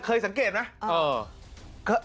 เคยสังเกตไหม